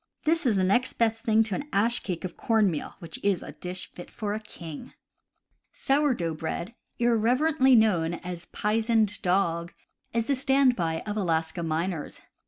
This is the next best thing to an ash cake of corn meal — which is a dish fit for a king. Sour dough Bread, irreverently known as "pizened dog," is the stand by of Alaska miners.